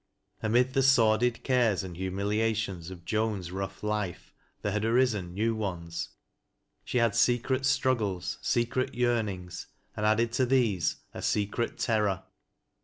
Amid the sordid cares and humiliations of Toan's rough life, there had arisen new ones. She had lecret struggles — seci et yearnings, — and added to these, a secret terror.